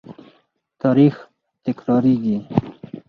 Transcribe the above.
تاریخ تکراریږي